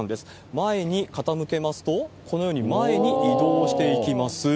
前に傾けますと、このように前に移動していきます。